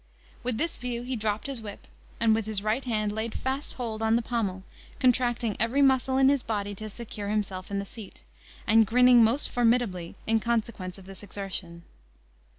With this view he dropped his whip, and with his right hand laid fast hold on the pommel, contracting every muscle in his body to secure himself in the seat, and grinning most formidably in consequence of this exertion.